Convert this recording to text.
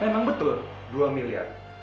memang betul dua miliar